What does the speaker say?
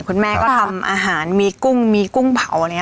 คุณแม่ก็ทำอาหารมีกุ้งมีกุ้งเผาอะไรอย่างนี้